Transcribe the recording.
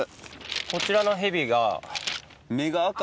こちらのヘビが。